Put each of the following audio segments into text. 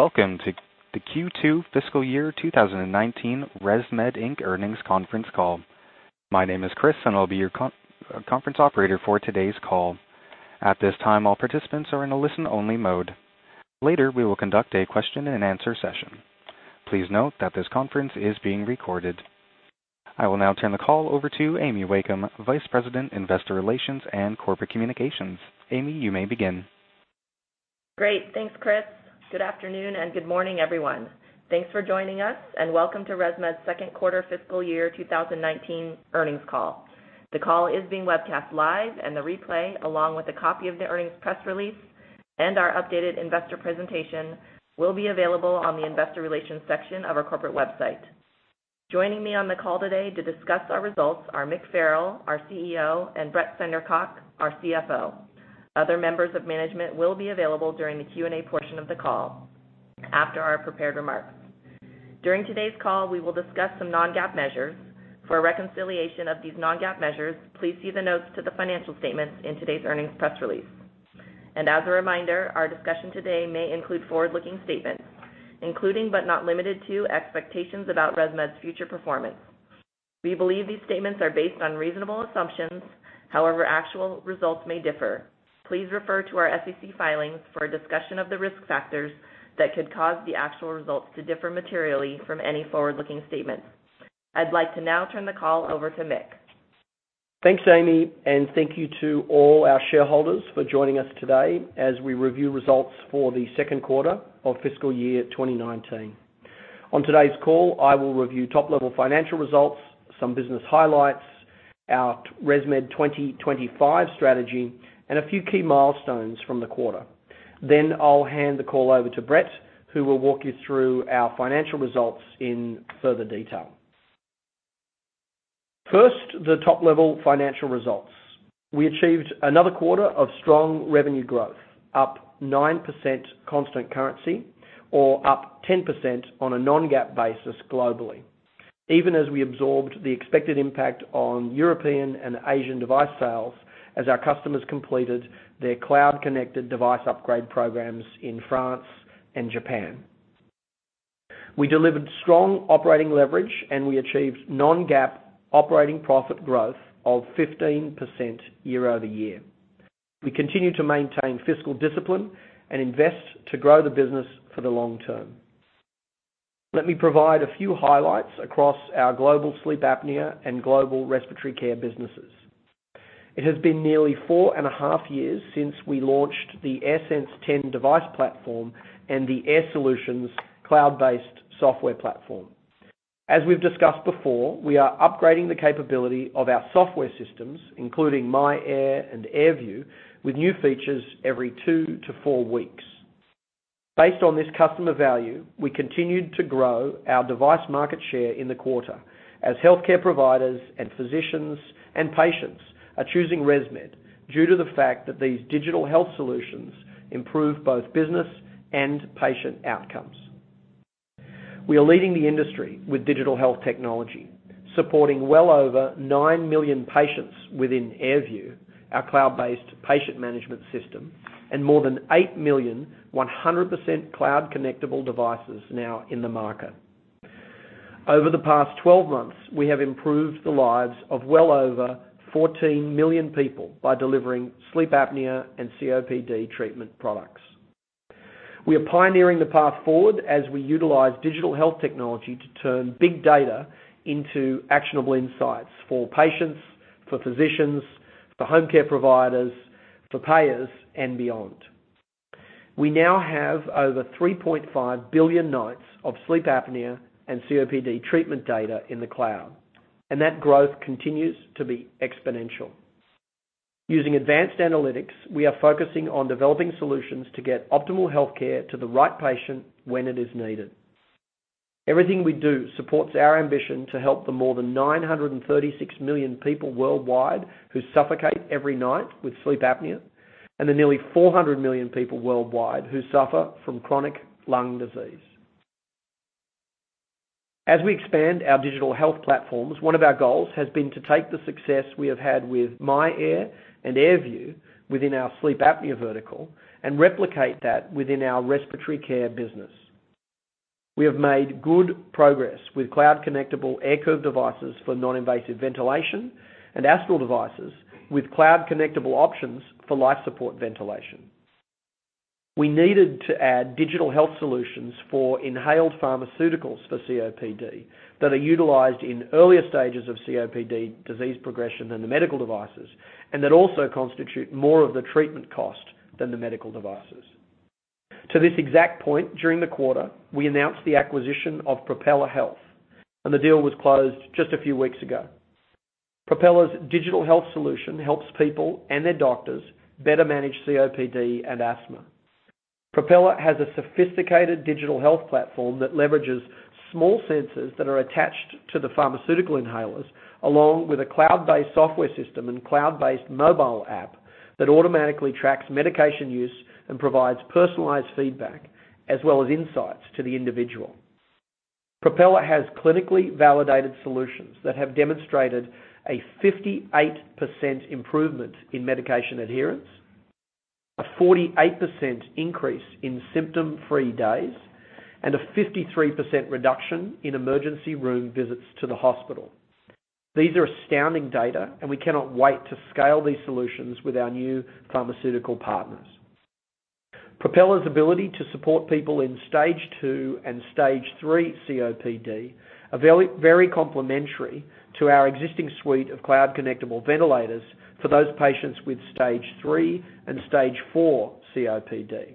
Welcome to the Q2 fiscal year 2019 ResMed Inc. earnings conference call. My name is Chris and I'll be your conference operator for today's call. At this time, all participants are in a listen-only mode. Later, we will conduct a question and answer session. Please note that this conference is being recorded. I will now turn the call over to Amy Wakeham, Vice President, Investor Relations and Corporate Communications, Amy you may begin. Great. Thanks, Chris. Good afternoon and good morning, everyone. Thanks for joining us, and welcome to ResMed's second quarter fiscal year 2019 earnings call. The call is being webcast live and the replay, along with a copy of the earnings press release and our updated investor presentation, will be available on the investor relations section of our corporate website. Joining me on the call today to discuss our results are Mick Farrell, our CEO, and Brett Sandercock, our CFO. Other members of management will be available during the Q&A portion of the call after our prepared remarks. During today's call, we will discuss some non-GAAP measures. For a reconciliation of these non-GAAP measures, please see the notes to the financial statements in today's earnings press release. As a reminder, our discussion today may include forward-looking statements, including, but not limited to, expectations about ResMed's future performance. We believe these statements are based on reasonable assumptions. However, actual results may differ. Please refer to our SEC filings for a discussion of the risk factors that could cause the actual results to differ materially from any forward-looking statements. I'd like to now turn the call over to Mick. Thanks, Amy. Thank you to all our shareholders for joining us today as we review results for the second quarter of fiscal year 2019. On today's call, I will review top level financial results, some business highlights, our ResMed 2025 strategy, and a few key milestones from the quarter. I'll hand the call over to Brett, who will walk you through our financial results in further detail. First, the top-level financial results. We achieved another quarter of strong revenue growth, up 9% constant currency or up 10% on a non-GAAP basis globally. Even as we absorbed the expected impact on European and Asian device sales as our customers completed their cloud-connected device upgrade programs in France and Japan. We delivered strong operating leverage and we achieved non-GAAP operating profit growth of 15% year-over-year. We continue to maintain fiscal discipline and invest to grow the business for the long term. Let me provide a few highlights across our global sleep apnea and global respiratory care businesses. It has been nearly four and a half years since we launched the AirSense 10 device platform and the Air Solutions cloud-based software platform. As we've discussed before, we are upgrading the capability of our software systems, including myAir and AirView, with new features every two to four weeks. Based on this customer value, we continued to grow our device market share in the quarter as healthcare providers and physicians and patients are choosing ResMed due to the fact that these digital health solutions improve both business and patient outcomes. We are leading the industry with digital health technology, supporting well over 9 million patients within AirView, our cloud-based patient management system, and more than 8 million 100% cloud-connectable devices now in the market. Over the past 12 months, we have improved the lives of well over 14 million people by delivering sleep apnea and COPD treatment products. We are pioneering the path forward as we utilize digital health technology to turn big data into actionable insights for patients, for physicians, for home care providers, for payers and beyond. We now have over 3.5 billion nights of sleep apnea and COPD treatment data in the cloud, and that growth continues to be exponential. Using advanced analytics, we are focusing on developing solutions to get optimal healthcare to the right patient when it is needed. Everything we do supports our ambition to help the more than 936 million people worldwide who suffocate every night with sleep apnea and the nearly 400 million people worldwide who suffer from chronic lung disease. As we expand our digital health platforms, one of our goals has been to take the success we have had with myAir and AirView within our sleep apnea vertical and replicate that within our respiratory care business. We have made good progress with cloud-connectable AirCurve devices for non-invasive ventilation and Astral devices with cloud-connectable options for life support ventilation. We needed to add digital health solutions for inhaled pharmaceuticals for COPD that are utilized in earlier stages of COPD disease progression than the medical devices and that also constitute more of the treatment cost than the medical devices. To this exact point during the quarter, we announced the acquisition of Propeller Health, and the deal was closed just a few weeks ago. Propeller’s digital health solution helps people and their doctors better manage COPD and asthma. Propeller has a sophisticated digital health platform that leverages small sensors that are attached to the pharmaceutical inhalers, along with a cloud-based software system and cloud-based mobile app that automatically tracks medication use and provides personalized feedback as well as insights to the individual. Propeller has clinically validated solutions that have demonstrated a 58% improvement in medication adherence, a 48% increase in symptom-free days, and a 53% reduction in emergency room visits to the hospital. These are astounding data, and we cannot wait to scale these solutions with our new pharmaceutical partners. Propeller's ability to support people in stage two and stage three COPD are very complementary to our existing suite of cloud-connectable ventilators for those patients with stage three and stage four COPD.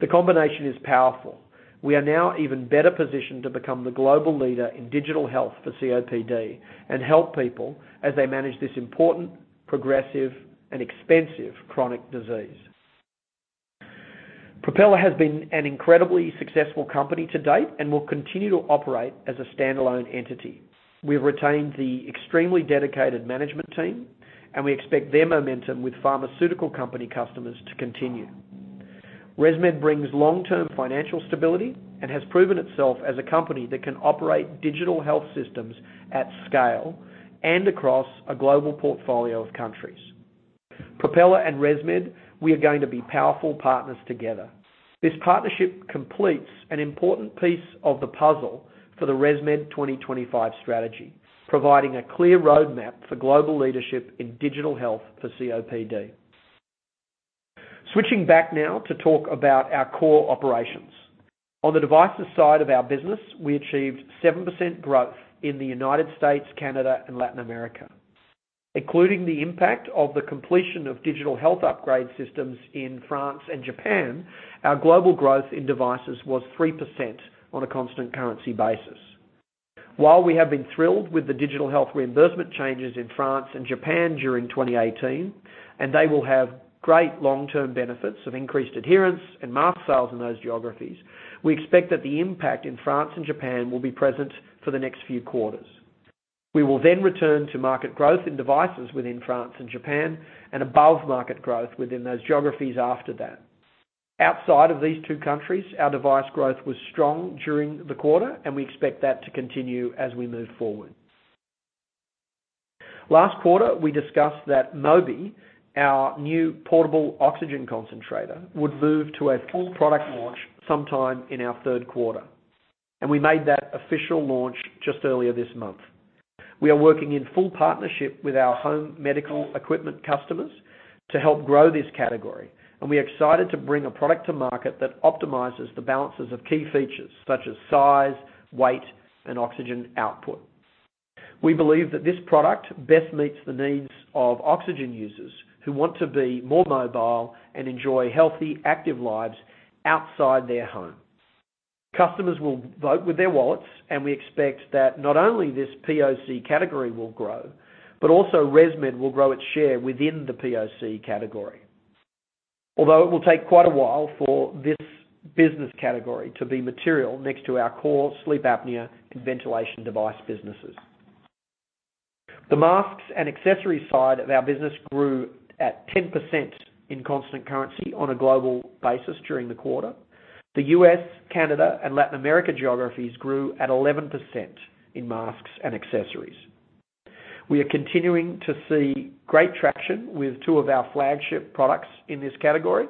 The combination is powerful. We are now even better positioned to become the global leader in digital health for COPD and help people as they manage this important progressive and expensive chronic disease. Propeller has been an incredibly successful company to date and will continue to operate as a standalone entity. We've retained the extremely dedicated management team, and we expect their momentum with pharmaceutical company customers to continue. ResMed brings long-term financial stability and has proven itself as a company that can operate digital health systems at scale and across a global portfolio of countries. Propeller and ResMed, we are going to be powerful partners together. This partnership completes an important piece of the puzzle for the ResMed 2025 strategy, providing a clear roadmap for global leadership in digital health for COPD. Switching back now to talk about our core operations. On the devices side of our business, we achieved 7% growth in the U.S., Canada, and Latin America. Including the impact of the completion of digital health upgrade systems in France and Japan, our global growth in devices was 3% on a constant currency basis. While we have been thrilled with the digital health reimbursement changes in France and Japan during 2018, and they will have great long-term benefits of increased adherence and mask sales in those geographies, we expect that the impact in France and Japan will be present for the next few quarters. We will then return to market growth in devices within France and Japan and above-market growth within those geographies after that. Outside of these two countries, our device growth was strong during the quarter, and we expect that to continue as we move forward. Last quarter, we discussed that Mobi, our new portable oxygen concentrator, would move to a full product launch sometime in our third quarter. We made that official launch just earlier this month. We are working in full partnership with our home medical equipment customers to help grow this category, and we are excited to bring a product to market that optimizes the balances of key features such as size, weight, and oxygen output. We believe that this product best meets the needs of oxygen users who want to be more mobile and enjoy healthy, active lives outside their home. Customers will vote with their wallets, and we expect that not only this POC category will grow, but also ResMed will grow its share within the POC category. Although it will take quite a while for this business category to be material next to our core sleep apnea and ventilation device businesses. The masks and accessories side of our business grew at 10% in constant currency on a global basis during the quarter. The U.S., Canada, and Latin America geographies grew at 11% in masks and accessories. We are continuing to see great traction with two of our flagship products in this category: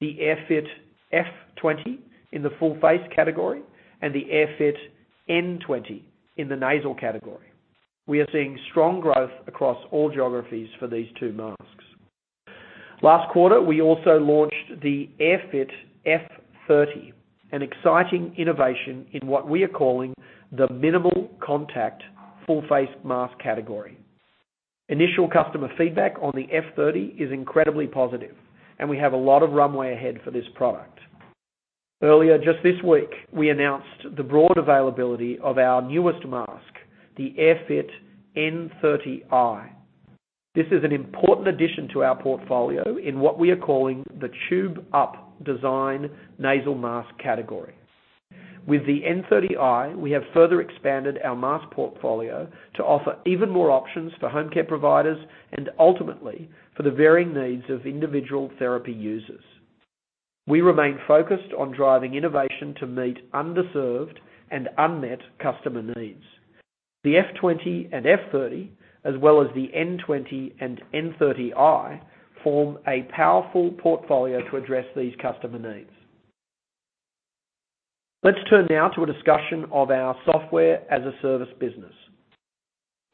the AirFit F20 in the full face category and the AirFit N20 in the nasal category. We are seeing strong growth across all geographies for these two masks. Last quarter, we also launched the AirFit F30, an exciting innovation in what we are calling the minimal contact full face mask category. Initial customer feedback on the F30 is incredibly positive. We have a lot of runway ahead for this product. Earlier just this week, we announced the broad availability of our newest mask, the AirFit N30i. This is an important addition to our portfolio in what we are calling the tube-up design nasal mask category. With the N30i, we have further expanded our mask portfolio to offer even more options for home care providers and ultimately for the varying needs of individual therapy users. We remain focused on driving innovation to meet underserved and unmet customer needs. The F20 and F30, as well as the N20 and N30i, form a powerful portfolio to address these customer needs. Let's turn now to a discussion of our software-as-a-service business.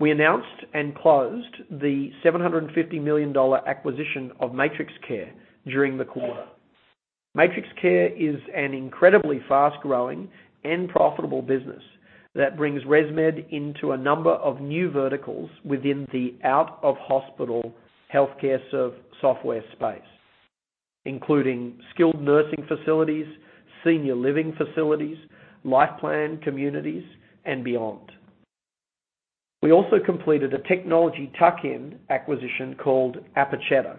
We announced and closed the $750 million acquisition of MatrixCare during the quarter. MatrixCare is an incredibly fast-growing and profitable business that brings ResMed into a number of new verticals within the out-of-hospital healthcare service software space, including skilled nursing facilities, senior living facilities, life plan communities, and beyond. We also completed a technology tuck-in acquisition called Apacheta,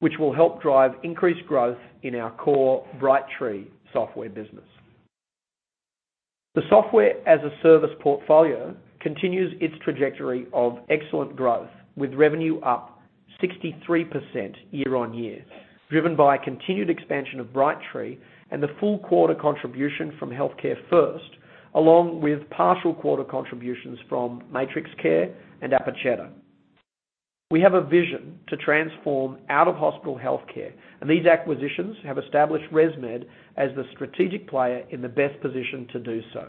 which will help drive increased growth in our core Brightree software business. The software-as-a-service portfolio continues its trajectory of excellent growth, with revenue up 63% year-on-year, driven by a continued expansion of Brightree and the full quarter contribution from HEALTHCAREfirst, along with partial quarter contributions from MatrixCare and Apacheta. We have a vision to transform out-of-hospital healthcare. These acquisitions have established ResMed as the strategic player in the best position to do so.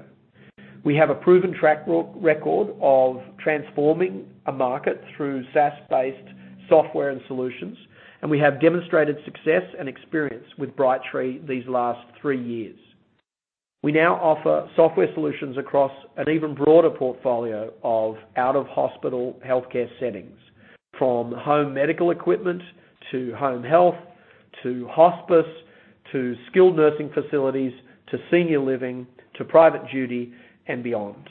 We have a proven track record of transforming a market through SaaS-based software and solutions. We have demonstrated success and experience with Brightree these last three years. We now offer software solutions across an even broader portfolio of out-of-hospital healthcare settings, from home medical equipment to home health, to hospice, to skilled nursing facilities, to senior living, to private duty, and beyond.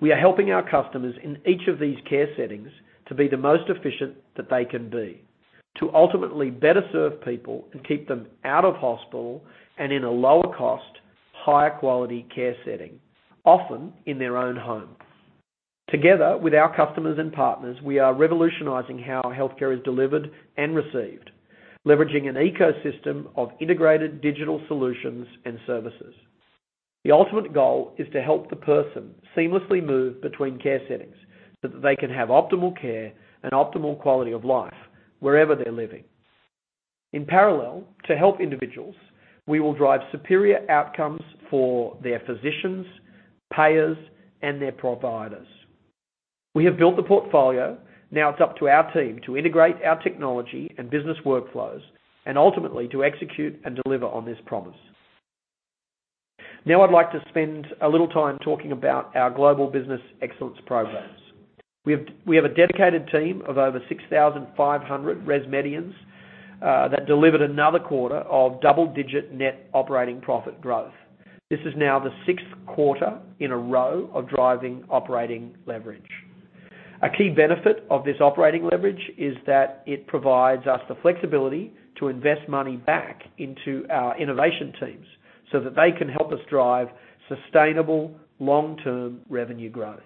We are helping our customers in each of these care settings to be the most efficient that they can be, to ultimately better serve people and keep them out of hospital and in a lower cost, higher quality care setting, often in their own home. Together with our customers and partners, we are revolutionizing how healthcare is delivered and received, leveraging an ecosystem of integrated digital solutions and services. The ultimate goal is to help the person seamlessly move between care settings so that they can have optimal care and optimal quality of life wherever they're living. In parallel, to help individuals, we will drive superior outcomes for their physicians, payers, and their providers. We have built the portfolio. It's up to our team to integrate our technology and business workflows, and ultimately, to execute and deliver on this promise. I'd like to spend a little time talking about our global business excellence programs. We have a dedicated team of over 6,500 ResMedians that delivered another quarter of double-digit net operating profit growth. This is now the sixth quarter in a row of driving operating leverage. A key benefit of this operating leverage is that it provides us the flexibility to invest money back into our innovation teams so that they can help us drive sustainable long-term revenue growth.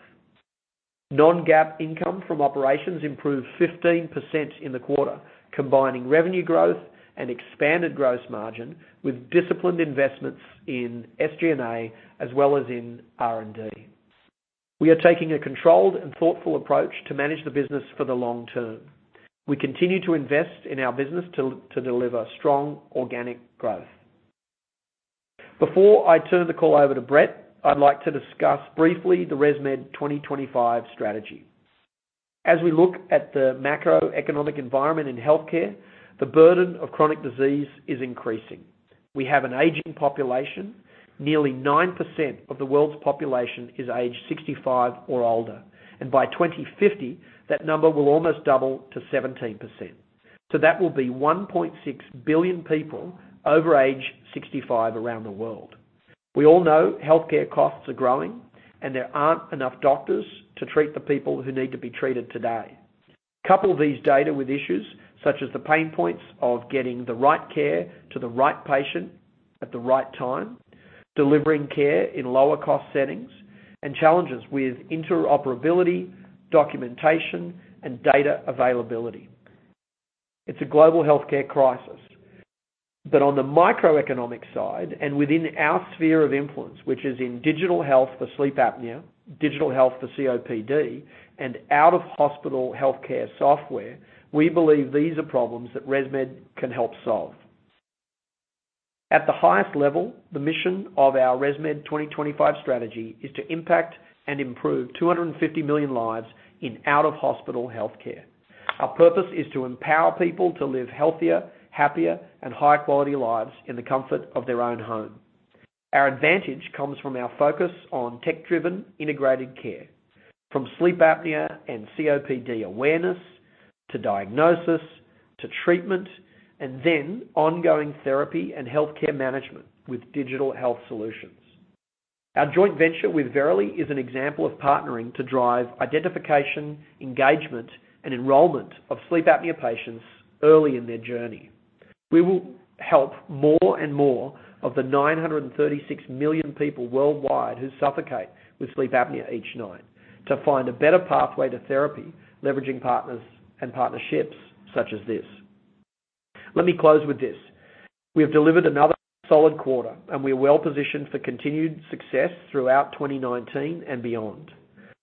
Non-GAAP income from operations improved 15% in the quarter, combining revenue growth and expanded gross margin with disciplined investments in SG&A as well as in R&D. We are taking a controlled and thoughtful approach to manage the business for the long term. We continue to invest in our business to deliver strong organic growth. Before I turn the call over to Brett, I'd like to discuss briefly the ResMed 2025 strategy. As we look at the macroeconomic environment in healthcare, the burden of chronic disease is increasing. We have an aging population. Nearly 9% of the world's population is age 65 or older, and by 2050, that number will almost double to 17%. That will be 1.6 billion people over age 65 around the world. We all know healthcare costs are growing, there aren't enough doctors to treat the people who need to be treated today. Couple these data with issues such as the pain points of getting the right care to the right patient at the right time, delivering care in lower cost settings, and challenges with interoperability, documentation, and data availability. It's a global healthcare crisis. On the microeconomic side and within our sphere of influence, which is in digital health for sleep apnea, digital health for COPD, and out-of-hospital healthcare software, we believe these are problems that ResMed can help solve. At the highest level, the mission of our ResMed 2025 strategy is to impact and improve 250 million lives in out-of-hospital healthcare. Our purpose is to empower people to live healthier, happier, and high-quality lives in the comfort of their own home. Our advantage comes from our focus on tech-driven integrated care, from sleep apnea and COPD awareness, to diagnosis, to treatment, and then ongoing therapy and healthcare management with digital health solutions. Our joint venture with Verily is an example of partnering to drive identification, engagement, and enrollment of sleep apnea patients early in their journey. We will help more and more of the 936 million people worldwide who suffocate with sleep apnea each night to find a better pathway to therapy, leveraging partners and partnerships such as this. Let me close with this. We have delivered another solid quarter, and we are well positioned for continued success throughout 2019 and beyond.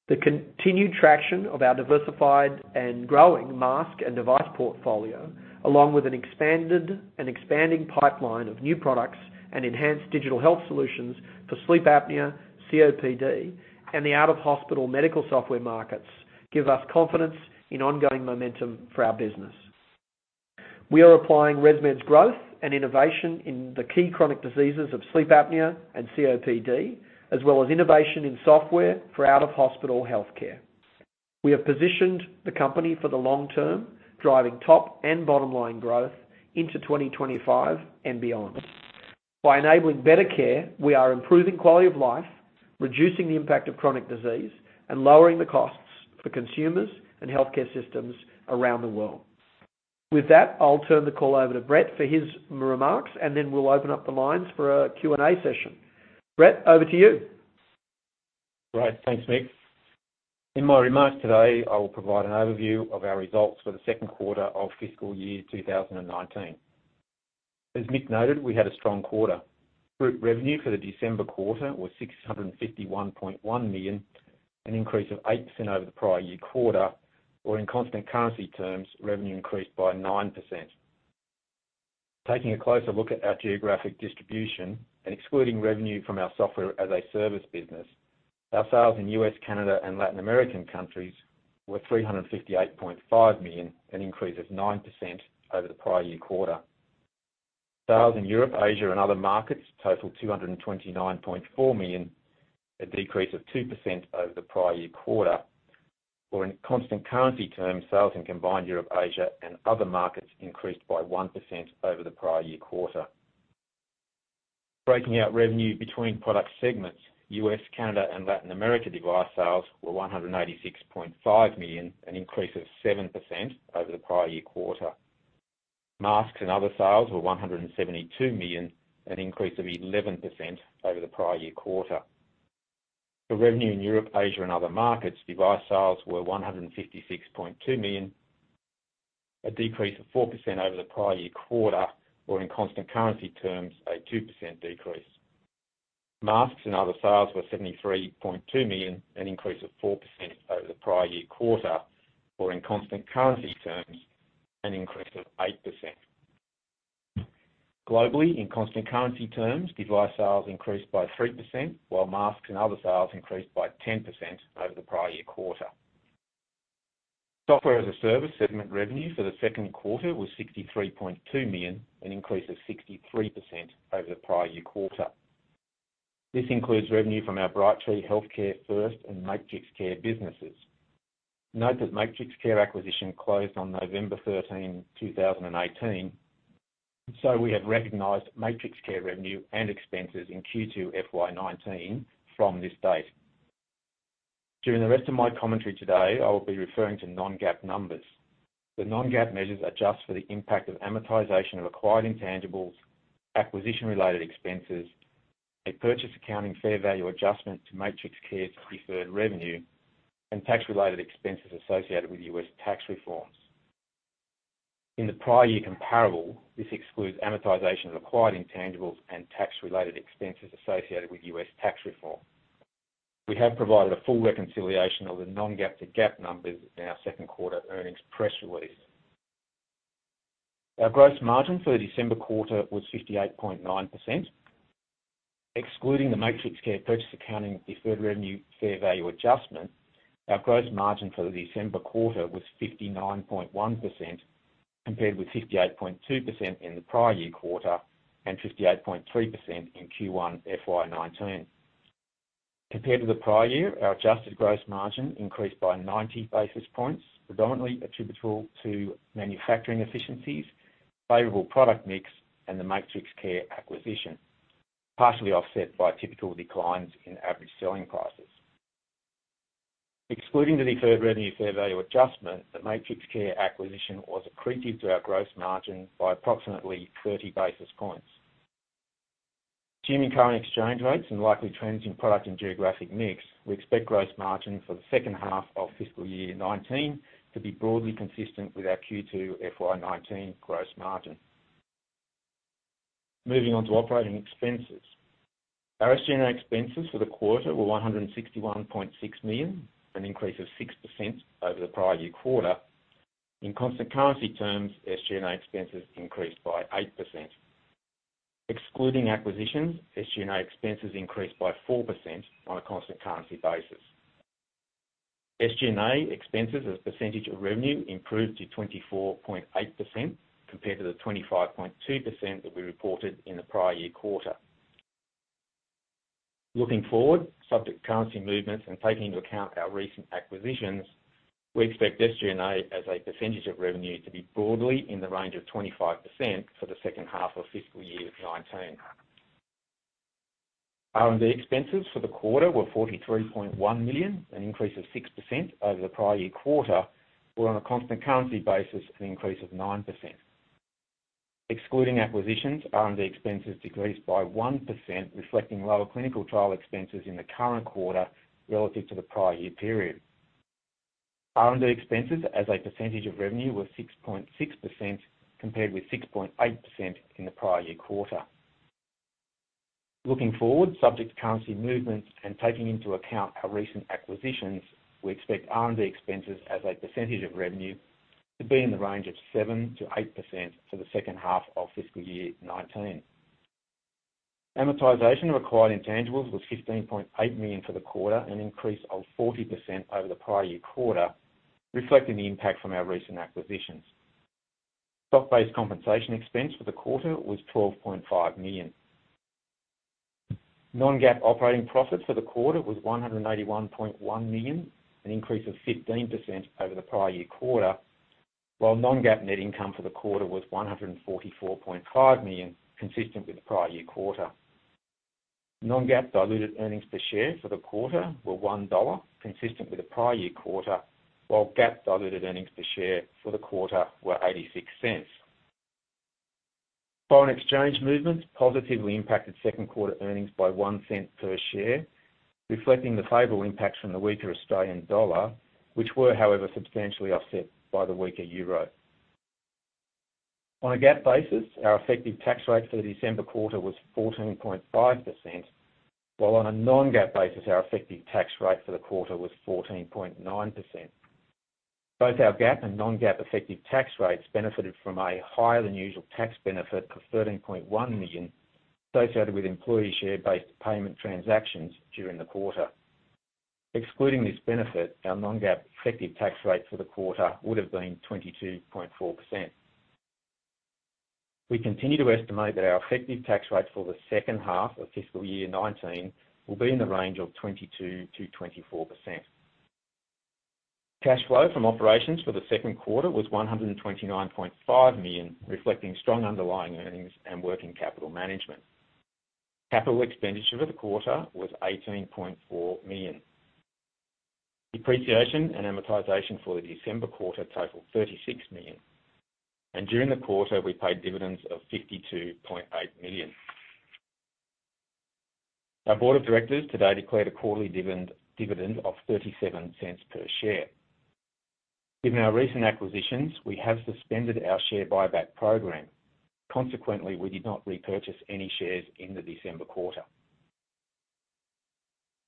The continued traction of our diversified and growing mask and device portfolio, along with an expanding pipeline of new products and enhanced digital health solutions for sleep apnea, COPD, and the out-of-hospital medical software markets give us confidence in ongoing momentum for our business. We are applying ResMed's growth and innovation in the key chronic diseases of sleep apnea and COPD, as well as innovation in software for out-of-hospital healthcare. We have positioned the company for the long term, driving top and bottom line growth into 2025 and beyond. By enabling better care, we are improving quality of life, reducing the impact of chronic disease, and lowering the costs for consumers and healthcare systems around the world. With that, I'll turn the call over to Brett for his remarks, and then we'll open up the lines for a Q&A session. Brett, over to you. Great. Thanks, Mick. In my remarks today, I will provide an overview of our results for the second quarter of fiscal year 2019. As Mick noted, we had a strong quarter. Group revenue for the December quarter was $651.1 million, an increase of 8% over the prior year quarter. In constant currency terms, revenue increased by 9%. Taking a closer look at our geographic distribution and excluding revenue from our software as a service business, our sales in U.S., Canada, and Latin American countries were $358.5 million, an increase of 9% over the prior year quarter. Sales in Europe, Asia, and other markets totaled $229.4 million, a decrease of 2% over the prior year quarter. In constant currency terms, sales in combined Europe, Asia, and other markets increased by 1% over the prior year quarter. Breaking out revenue between product segments, U.S., Canada, and Latin America device sales were $186.5 million, an increase of 7% over the prior year quarter. Masks and other sales were $172 million, an increase of 11% over the prior year quarter. The revenue in Europe, Asia, and other markets, device sales were $156.2 million, a decrease of 4% over the prior year quarter, or in constant currency terms, a 2% decrease. Masks and other sales were $73.2 million, an increase of 4% over the prior year quarter, or in constant currency terms, an increase of 8%. Globally, in constant currency terms, device sales increased by 3%, while masks and other sales increased by 10% over the prior year quarter. Software as a service segment revenue for the second quarter was $63.2 million, an increase of 63% over the prior year quarter. This includes revenue from our Brightree, HEALTHCAREfirst, and MatrixCare businesses. Note that MatrixCare acquisition closed on November 13, 2018, so we have recognized MatrixCare revenue and expenses in Q2 FY 2019 from this date. During the rest of my commentary today, I will be referring to non-GAAP numbers. The non-GAAP measures adjust for the impact of amortization of acquired intangibles, acquisition-related expenses, a purchase accounting fair value adjustment to MatrixCare's deferred revenue, and tax-related expenses associated with U.S. tax reforms. In the prior year comparable, this excludes amortization of acquired intangibles and tax-related expenses associated with U.S. tax reform. We have provided a full reconciliation of the non-GAAP to GAAP numbers in our second quarter earnings press release. Our gross margin for the December quarter was 58.9%. Excluding the MatrixCare purchase accounting deferred revenue fair value adjustment, our gross margin for the December quarter was 59.1%, compared with 58.2% in the prior year quarter and 58.3% in Q1 FY 2019. Compared to the prior year, our adjusted gross margin increased by 90 basis points, predominantly attributable to manufacturing efficiencies, favorable product mix, and the MatrixCare acquisition, partially offset by typical declines in average selling prices. Excluding the deferred revenue fair value adjustment, the MatrixCare acquisition was accretive to our gross margin by approximately 30 basis points. Assuming current exchange rates and likely trends in product and geographic mix, we expect gross margin for the second half of fiscal year 2019 to be broadly consistent with our Q2 FY 2019 gross margin. Moving on to operating expenses. Our SG&A expenses for the quarter were $161.6 million, an increase of 6% over the prior year quarter. In constant currency terms, SG&A expenses increased by 8%. Excluding acquisitions, SG&A expenses increased by 4% on a constant currency basis. SG&A expenses as a percentage of revenue improved to 24.8%, compared to the 25.2% that we reported in the prior year quarter. Looking forward, subject to currency movements and taking into account our recent acquisitions, we expect SG&A as a percentage of revenue to be broadly in the range of 25% for the second half of FY 2019. R&D expenses for the quarter were $43.1 million, an increase of 6% over the prior year quarter, or on a constant currency basis, an increase of 9%. Excluding acquisitions, R&D expenses decreased by 1%, reflecting lower clinical trial expenses in the current quarter relative to the prior year period. R&D expenses as a percentage of revenue were 6.6%, compared with 6.8% in the prior year quarter. Looking forward, subject to currency movements and taking into account our recent acquisitions, we expect R&D expenses as a percentage of revenue to be in the range of 7%-8% for the second half of FY 2019. Amortization of acquired intangibles was $15.8 million for the quarter, an increase of 40% over the prior year quarter, reflecting the impact from our recent acquisitions. Stock-based compensation expense for the quarter was $12.5 million. Non-GAAP operating profit for the quarter was $181.1 million, an increase of 15% over the prior year quarter, while non-GAAP net income for the quarter was $144.5 million, consistent with the prior year quarter. Non-GAAP diluted earnings per share for the quarter were $1, consistent with the prior year quarter, while GAAP diluted earnings per share for the quarter were $0.86. Foreign exchange movements positively impacted second quarter earnings by $0.01 per share, reflecting the favorable impacts from the weaker Australian dollar, which were, however, substantially offset by the weaker euro. On a GAAP basis, our effective tax rate for the December quarter was 14.5%, while on a non-GAAP basis, our effective tax rate for the quarter was 14.9%. Both our GAAP and non-GAAP effective tax rates benefited from a higher-than-usual tax benefit of $13.1 million associated with employee share-based payment transactions during the quarter. Excluding this benefit, our non-GAAP effective tax rate for the quarter would have been 22.4%. We continue to estimate that our effective tax rates for the second half of FY 2019 will be in the range of 22%-24%. Cash flow from operations for the second quarter was $129.5 million, reflecting strong underlying earnings and working capital management. Capital expenditure for the quarter was $18.4 million. Depreciation and amortization for the December quarter totaled $36 million. During the quarter, we paid dividends of $52.8 million. Our board of directors today declared a quarterly dividend of $0.37 per share. Given our recent acquisitions, we have suspended our share buyback program. Consequently, we did not repurchase any shares in the December quarter.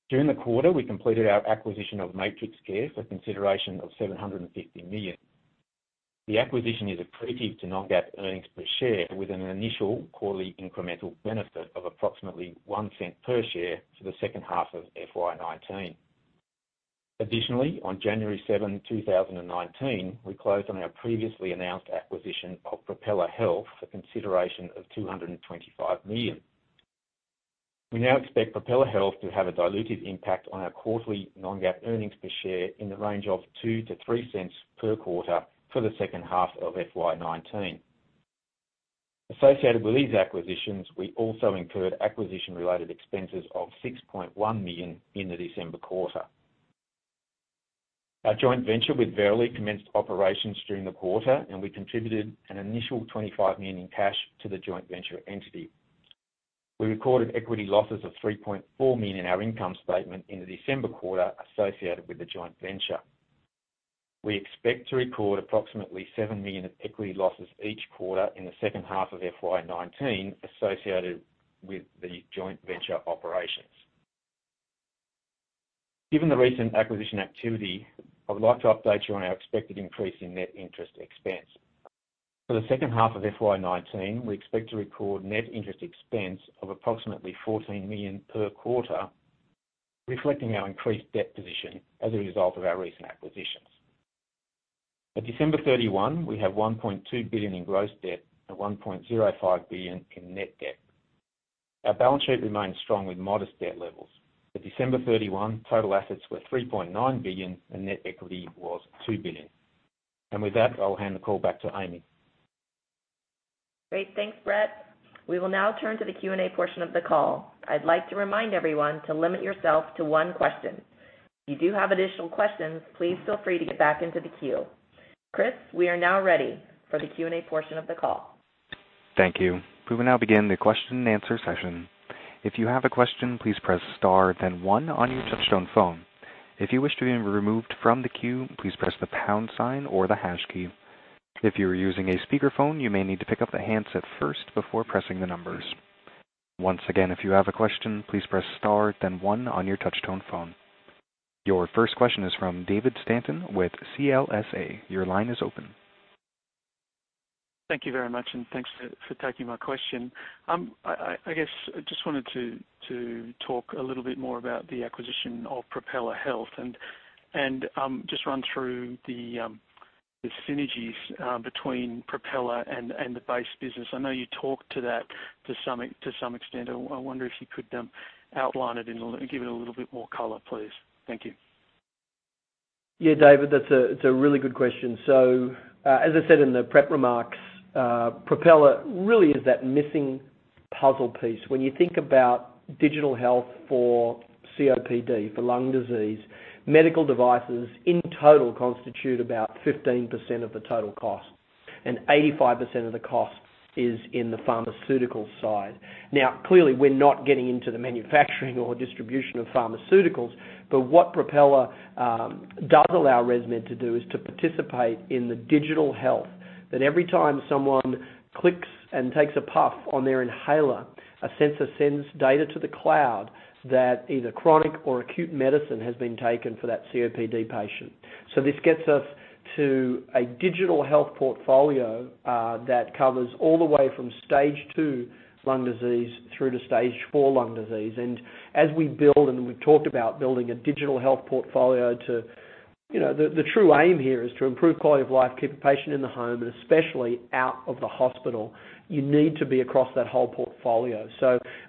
During the quarter, we completed our acquisition of MatrixCare for consideration of $750 million. The acquisition is accretive to non-GAAP earnings per share with an initial quarterly incremental benefit of approximately $0.01 per share for the second half of FY 2019. Additionally, on January 7, 2019, we closed on our previously announced acquisition of Propeller Health for consideration of $225 million. We now expect Propeller Health to have a dilutive impact on our quarterly non-GAAP earnings per share in the range of $0.02-$0.03 per quarter for the second half of FY 2019. Associated with these acquisitions, we also incurred acquisition-related expenses of $6.1 million in the December quarter. Our joint venture with Verily commenced operations during the quarter, and we contributed an initial $25 million in cash to the joint venture entity. We recorded equity losses of $3.4 million in our income statement in the December quarter associated with the joint venture. We expect to record approximately $7 million of equity losses each quarter in the second half of FY 2019 associated with the joint venture operations. Given the recent acquisition activity, I would like to update you on our expected increase in net interest expense. For the second half of FY 2019, we expect to record net interest expense of approximately $14 million per quarter, reflecting our increased debt position as a result of our recent acquisitions. At December 31, we have $1.2 billion in gross debt and $1.05 billion in net debt. Our balance sheet remains strong with modest debt levels. At December 31, total assets were $3.9 billion, and net equity was $2 billion. With that, I'll hand the call back to Amy. Great. Thanks, Brett. We will now turn to the Q&A portion of the call. I'd like to remind everyone to limit yourself to one question. If you do have additional questions, please feel free to get back into the queue. Chris, we are now ready for the Q&A portion of the call. Thank you. We will now begin the question and answer session. If you have a question, please press star then one on your touchtone phone. If you wish to be removed from the queue, please press the pound sign or the hash key. If you are using a speakerphone, you may need to pick up the handset first before pressing the numbers. Once again, if you have a question, please press star then one on your touchtone phone. Your first question is from David Stanton with CLSA. Your line is open. Thank you very much and thanks for taking my question. I guess, I just wanted to talk a little bit more about the acquisition of Propeller Health and just run through the synergies between Propeller and the base business. I know you talked to that to some extent. I wonder if you could outline it and give it a little bit more color please, Thank you. Yeah, David, that's a really good question. As I said in the prep remarks, Propeller really is that missing puzzle piece. When you think about digital health for COPD, for lung disease, medical devices in total constitute about 15% of the total cost, and 85% of the cost is in the pharmaceutical side. Now, clearly, we're not getting into the manufacturing or distribution of pharmaceuticals, but what Propeller does allow ResMed to do is to participate in the digital health, that every time someone clicks and takes a puff on their inhaler, a sensor sends data to the cloud that either chronic or acute medicine has been taken for that COPD patient. This gets us to a digital health portfolio that covers all the way from stage two lung disease through to stage 4 lung disease. As we build, and we've talked about building a digital health portfolio to The true aim here is to improve quality of life, keep the patient in the home, and especially out of the hospital. You need to be across that whole portfolio.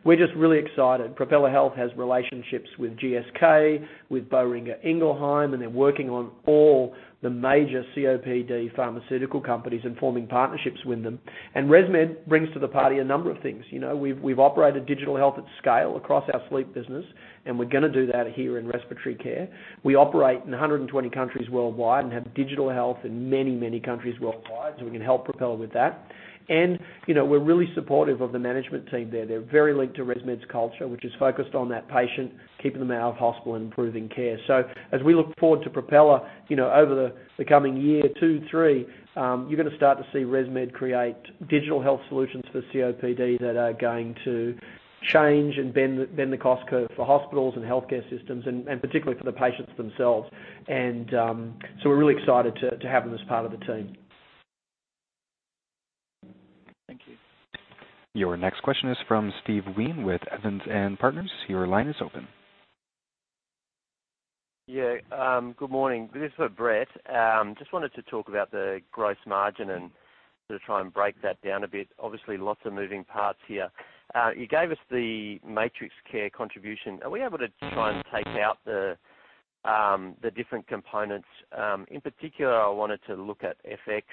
We're just really excited. Propeller Health has relationships with GSK, with Boehringer Ingelheim, and they're working on all the major COPD pharmaceutical companies and forming partnerships with them. ResMed brings to the party a number of things. We've operated digital health at scale across our sleep business, and we're going to do that here in respiratory care. We operate in 120 countries worldwide and have digital health in many, many countries worldwide, so we can help Propeller with that. We're really supportive of the management team there. They're very linked to ResMed's culture, which is focused on that patient, keeping them out of hospital, and improving care. As we look forward to Propeller, over the coming year, two, three, you're going to start to see ResMed create digital health solutions for COPD that are going to change and bend the cost curve for hospitals and healthcare systems and particularly for the patients themselves. We're really excited to have them as part of the team. Thank you. Your next question is from Steve Wheen with Evans & Partners. Your line is open. Good morning. This is for Brett. Just wanted to talk about the gross margin and to try and break that down a bit. Obviously, lots of moving parts here. You gave us the MatrixCare contribution. Are we able to try and take out the different components? In particular, I wanted to look at FX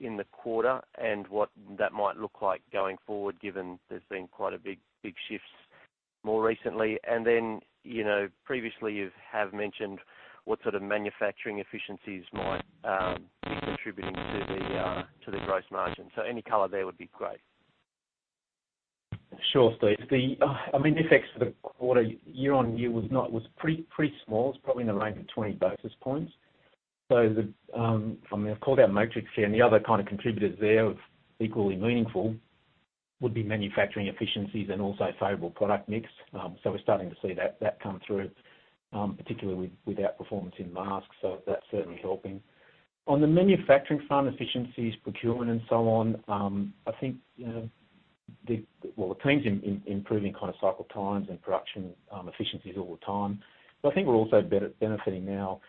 in the quarter and what that might look like going forward, given there's been quite big shifts more recently. Previously, you have mentioned what sort of manufacturing efficiencies might be contributing to the gross margin. Any color there would be great. Sure, Steve. I mean, FX for the quarter year-on-year was pretty small. It's probably in the range of 20 basis points. I mean, I've called out MatrixCare, and the other kind of contributors there of equally meaningful would be manufacturing efficiencies and also favorable product mix. We're starting to see that come through, particularly with outperformance in masks. That's certainly helping. On the manufacturing front, efficiencies, procurement, and so on, I think, well, the team's improving kind of cycle times and production efficiencies all the time. I think we're also benefiting now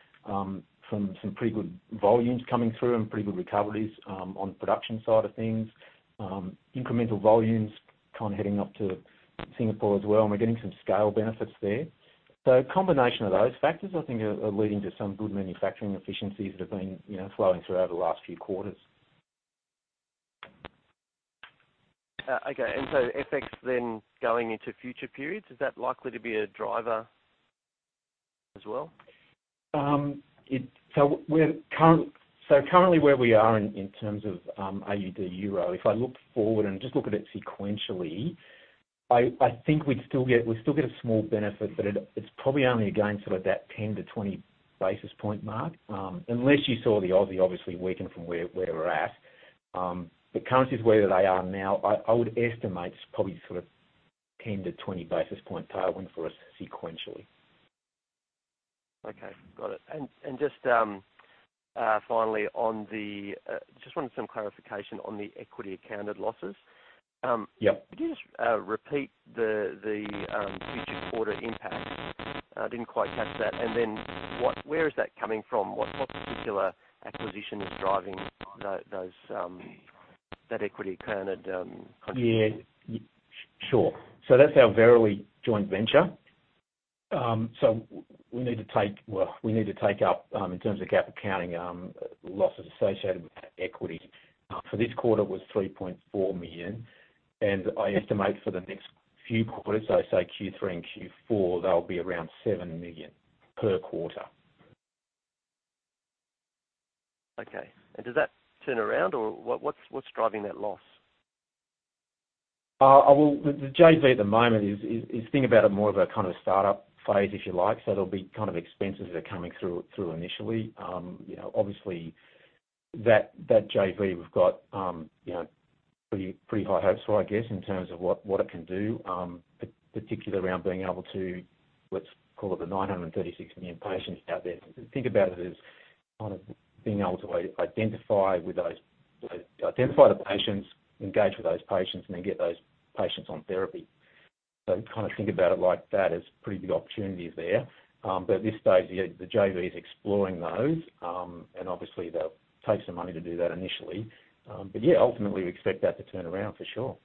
from some pretty good volumes coming through and pretty good recoveries on production side of things. Incremental volumes kind of heading up to Singapore as well, and we're getting some scale benefits there. Combination of those factors, I think are leading to some good manufacturing efficiencies that have been flowing through over the last few quarters. Okay. FX then going into future periods, is that likely to be a driver as well? Currently where we are in terms of AUD/EUR, if I look forward and just look at it sequentially, I think we'd still get a small benefit, but it's probably only again sort of that 10-20 basis point mark, unless you saw the Aussie obviously weaken from where we're at. Currencies where they are now, I would estimate it's probably sort of 10-20 basis point tailwind for us sequentially. Okay. Got it, Just finally, just wanted some clarification on the equity accounted losses. Yeah. Could you just repeat the future quarter impact? I didn't quite catch that. Then where is that coming from? What particular acquisition is driving that equity accounted contribution? Yeah. Sure. That's our Verily joint venture. We need to take up, in terms of GAAP accounting, losses associated with that equity. For this quarter was $3.4 million, and I estimate for the next few quarters, say Q3 and Q4, that'll be around $7 million per quarter. Okay. Does that turn around, or what's driving that loss? The JV at the moment is, think about it more of a kind of startup phase, if you like. There'll be kind of expenses that are coming through initially. That JV, we've got pretty high hopes for, I guess, in terms of what it can do, particularly around being able to, let's call it the 936 million patients out there. Think about it as kind of being able to identify the patients, engage with those patients, and then get those patients on therapy. Kind of think about it like that as pretty big opportunities there. At this stage, the JV is exploring those, and obviously that takes some money to do that initially. Ultimately, we expect that to turn around for sure.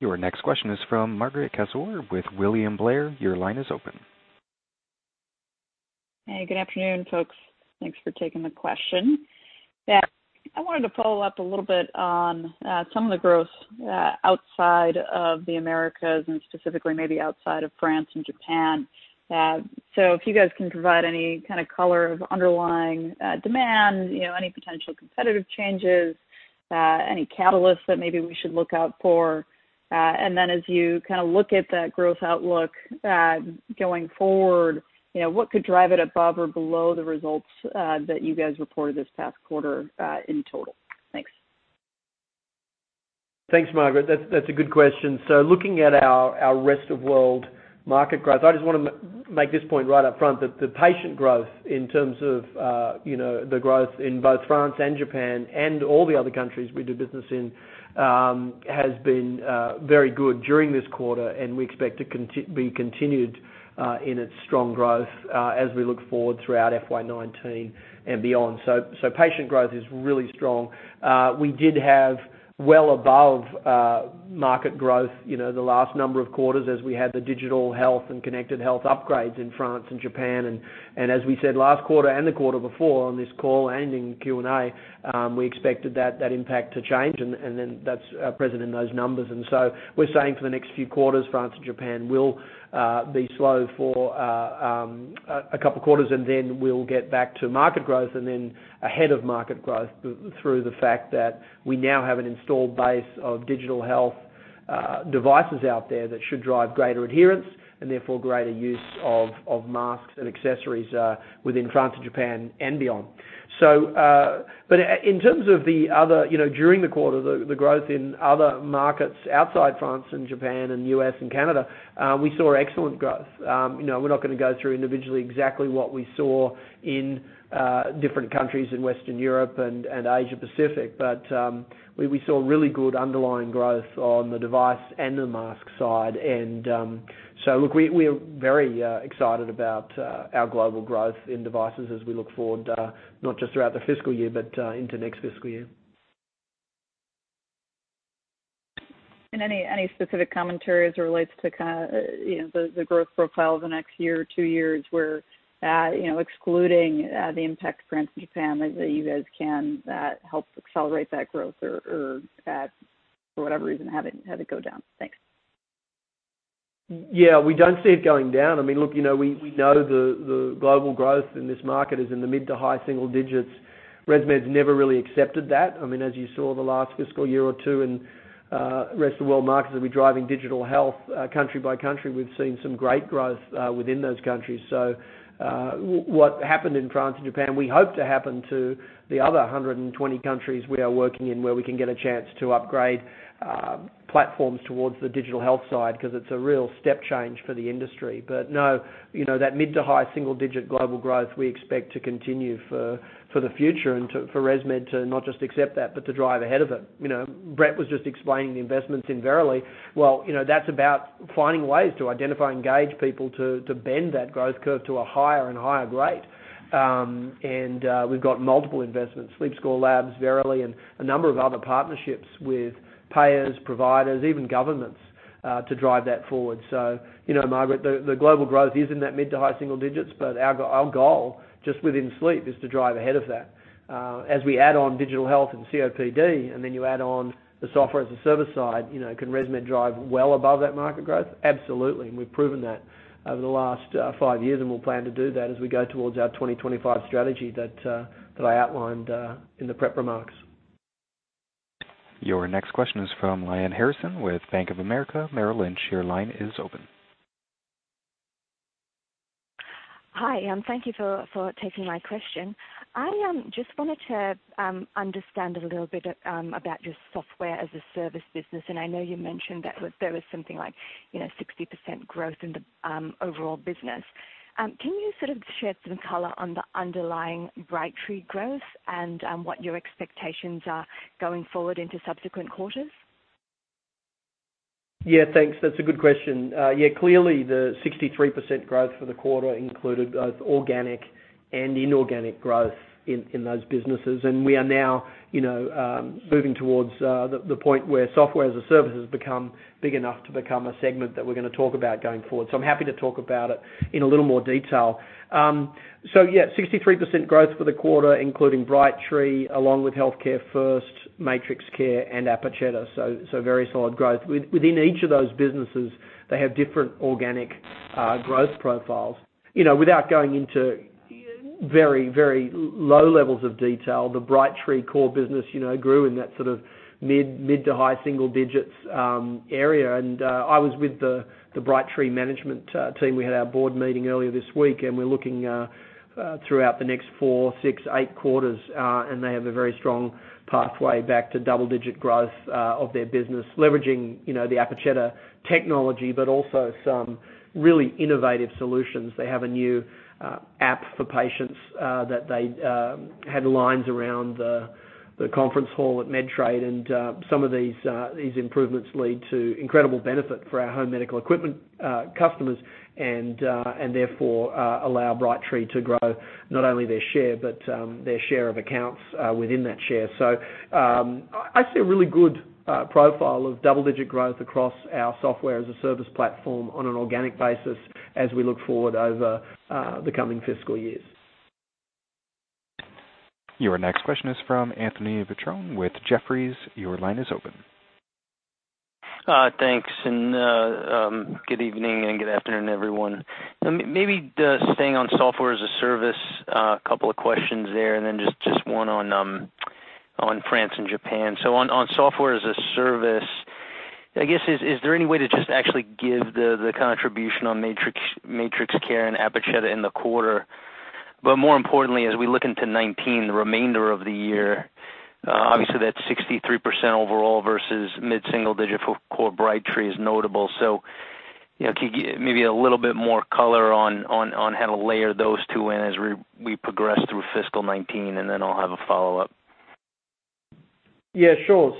Your next question is from Margaret Kaczor with William Blair. Your line is open. Hey, good afternoon, folks. Thanks for taking the question. Yeah, I wanted to follow up a little bit on some of the growth outside of the Americas and specifically maybe outside of France and Japan. If you guys can provide any kind of color of underlying demand, any potential competitive changes, any catalysts that maybe we should look out for. As you kind of look at that growth outlook going forward, what could drive it above or below the results that you guys reported this past quarter in total? Thanks. Thanks Margaret, That's a good question. Looking at our rest of world market growth, I just want to make this point right up front, that the patient growth, in terms of the growth in both France and Japan and all the other countries we do business in, has been very good during this quarter, and we expect to be continued in its strong growth as we look forward throughout FY 2019 and beyond. Patient growth is really strong. We did have well above market growth the last number of quarters as we had the digital health and connected health upgrades in France and Japan. As we said last quarter and the quarter before on this call and in Q&A, we expected that impact to change, and then that's present in those numbers. We're saying for the next few quarters, France and Japan will be slow for a couple quarters, then we'll get back to market growth, then ahead of market growth through the fact that we now have an installed base of digital health devices out there that should drive greater adherence and therefore greater use of masks and accessories within France and Japan and beyond. During the quarter, the growth in other markets outside France and Japan and U.S. and Canada, we saw excellent growth. We're not going to go through individually exactly what we saw in different countries in Western Europe and Asia-Pacific. We saw really good underlying growth on the device and the mask side. Look, we are very excited about our global growth in devices as we look forward, not just throughout the fiscal year, but into next fiscal year. Any specific commentary as it relates to the growth profile of the next year or two years where, excluding the impact of France and Japan, as you guys can help accelerate that growth or, for whatever reason, have it go down? Thanks. Yeah, we don't see it going down. I mean look, we know the global growth in this market is in the mid to high single digits. ResMed's never really accepted that. I mean, as you saw the last fiscal year or two in rest of world markets, as we're driving digital health country by country, we've seen some great growth within those countries. What happened in France and Japan, we hope to happen to the other 120 countries we are working in, where we can get a chance to upgrade platforms towards the digital health side, because it's a real step change for the industry. No, that mid to high single digit global growth we expect to continue for the future and for ResMed to not just accept that, but to drive ahead of it. Brett was just explaining the investments in Verily. Well, that's about finding ways to identify, engage people to bend that growth curve to a higher and higher rate. We've got multiple investments, SleepScore Labs, Verily, and a number of other partnerships with payers, providers, even governments, to drive that forward. Margaret, the global growth is in that mid to high single digits, but our goal, just within sleep, is to drive ahead of that. As we add on digital health and COPD, then you add on the Software as a Service side, can ResMed drive well above that market growth? Absolutely, and we've proven that over the last five years, and we'll plan to do that as we go towards our 2025 strategy that I outlined in the prep remarks. Your next question is from Lyanne Harrison with Bank of America Merrill Lynch. Your line is open. Hi. Thank you for taking my question. I just wanted to understand a little bit about your software as a service business, and I know you mentioned that there was something like 60% growth in the overall business. Can you sort of shed some color on the underlying Brightree growth and what your expectations are going forward into subsequent quarters? Yeah, thanks. That's a good question. Yeah, clearly the 63% growth for the quarter included both organic and inorganic growth in those businesses. We are now moving towards the point where software as a service has become big enough to become a segment that we're going to talk about going forward. I'm happy to talk about it in a little more detail. Yeah, 63% growth for the quarter, including Brightree, along with HEALTHCAREfirst, MatrixCare, and Apacheta. Very solid growth. Within each of those businesses, they have different organic growth profiles. Without going into very low levels of detail, the Brightree core business grew in that sort of mid to high single digits area. I was with the Brightree management team. We had our board meeting earlier this week, and we're looking throughout the next four, six, eight quarters, and they have a very strong pathway back to double-digit growth of their business, leveraging the Apacheta technology, but also some really innovative solutions. They have a new app for patients that they had lines around the conference hall at Medtrade and some of these improvements lead to incredible benefit for our home medical equipment customers and therefore, allow Brightree to grow not only their share, but their share of accounts within that share. I see a really good profile of double-digit growth across our software as a service platform on an organic basis as we look forward over the coming fiscal years. Your next question is from Anthony Petrone with Jefferies. Your line is open. Thanks, good evening, and good afternoon, everyone. Maybe staying on Software as a Service, a couple of questions there, then just one on France and Japan. On Software as a Service I guess, is there any way to just actually give the contribution on MatrixCare and Apacheta in the quarter? More importantly, as we look into 2019, the remainder of the year, obviously, that 63% overall versus mid-single digit for core Brightree is notable. Could you give maybe a little bit more color on how to layer those two in as we progress through fiscal 2019, then I'll have a follow-up. Yeah, sure.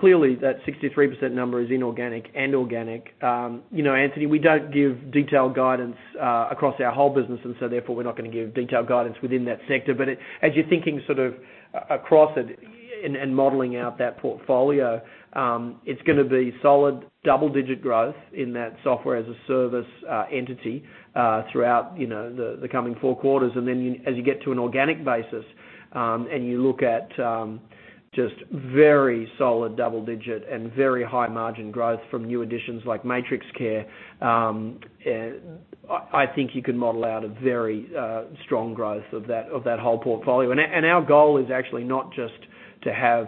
Clearly that 63% number is inorganic and organic. Anthony, we don't give detailed guidance across our whole business, therefore, we're not going to give detailed guidance within that sector. As you're thinking sort of across it and modeling out that portfolio, it's going to be solid double-digit growth in that Software-as-a-Service entity throughout the coming four quarters. Then as you get to an organic basis, and you look at just very solid double-digit and very high margin growth from new additions like MatrixCare, I think you could model out a very strong growth of that whole portfolio. Our goal is actually not just to have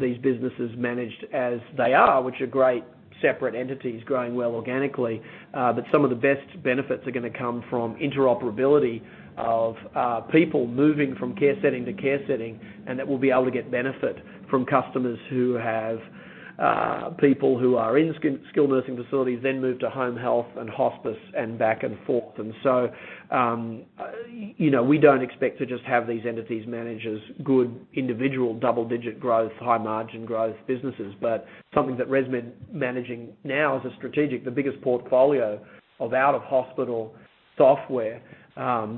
these businesses managed as they are, which are great, separate entities growing well organically. Some of the best benefits are going to come from interoperability of people moving from care setting to care setting, we'll be able to get benefit from customers who have people who are in skilled nursing facilities, then move to home health and hospice and back and forth. We don't expect to just have these entities managed as good individual double-digit growth, high margin growth businesses, something that ResMed managing now as a strategic, the biggest portfolio of out-of-hospital software,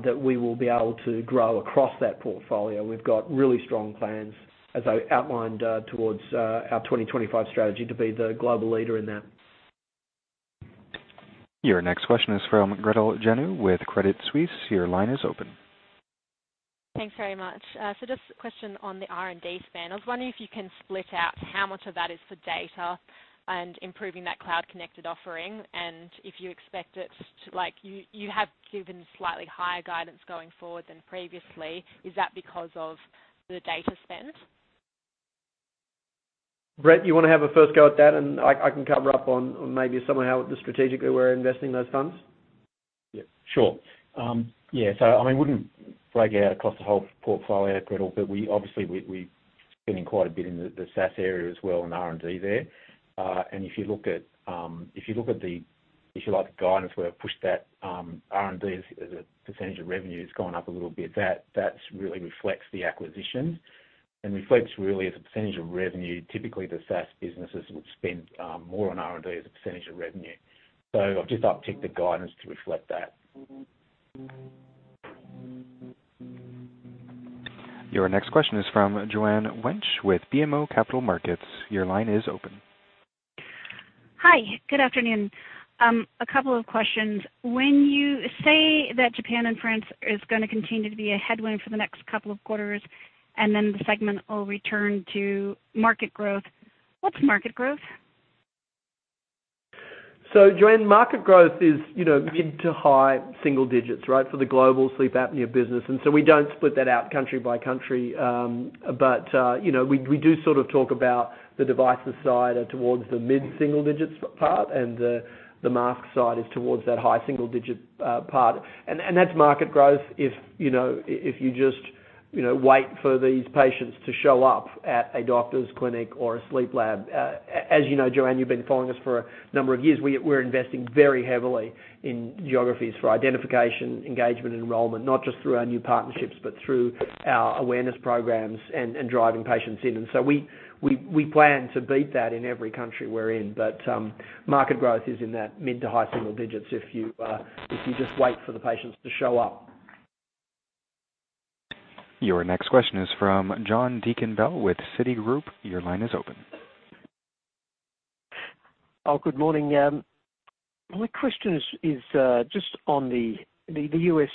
that we will be able to grow across that portfolio. We've got really strong plans, as I outlined, towards our 2025 strategy to be the global leader in that. Your next question is from Gretel Jennew with Credit Suisse. Your line is open. Thanks very much. Just a question on the R&D spend. I was wondering if you can split out how much of that is for data and improving that cloud-connected offering, and if you expect it to You have given slightly higher guidance going forward than previously. Is that because of the data spend? Brett, you want to have a first go at that, and I can cover up on maybe somehow strategically we're investing those funds? Yeah, sure. We wouldn't break out across the whole portfolio, Gretel, but obviously we've been in quite a bit in the SaaS area as well, and R&D there. If you like the guidance where I've pushed that, R&D as a percentage of revenue has gone up a little bit. That really reflects the acquisitions and reflects really as a percentage of revenue, typically, the SaaS businesses would spend more on R&D as a percentage of revenue. I've just uptick the guidance to reflect that. Your next question is from Joanne Wuensch with BMO Capital Markets. Your line is open. Hi, good afternoon. A couple of questions. When you say that Japan and France is going to continue to be a headwind for the next couple of quarters, and then the segment will return to market growth. What's market growth? Joanne, market growth is mid to high single digits for the global sleep apnea business. We don't split that out country by country. We do sort of talk about the devices side are towards the mid-single digits part, and the mask side is towards that high single digit part. That's market growth, if you just wait for these patients to show up at a doctor's clinic or a sleep lab. As you know, Joanne, you've been following us for a number of years. We're investing very heavily in geographies for identification, engagement, and enrollment, not just through our new partnerships, but through our awareness programs and driving patients in. We plan to beat that in every country we're in. Market growth is in that mid to high single digits, if you just wait for the patients to show up. Your next question is from John Deacon Bell with Citigroup. Your line is open. Oh, good morning. My question is just on the U.S.